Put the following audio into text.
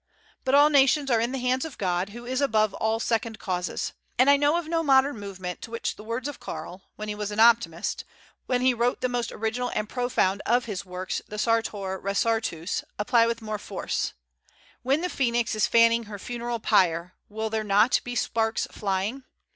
But all nations are in the hands of God, who is above all second causes. And I know of no modern movement to which the words of Carlyle, when he was an optimist, when he wrote the most original and profound of his works, the "Sartor Resartus," apply with more force: "When the Phoenix is fanning her funeral pyre, will there not be sparks flying?